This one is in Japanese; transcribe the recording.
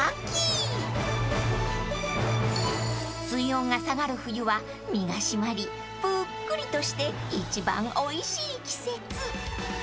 ［水温が下がる冬は身が締まりぷっくりとして一番おいしい季節］